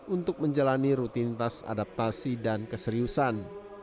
untuk menjalani rutinitas adaptasi dan keseriusan